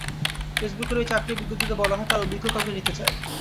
ফেসবুকের ওই চাকরির বিজ্ঞপ্তিতে বলা হয়, তাঁরা অভিজ্ঞ কাউকে নিতে চায়।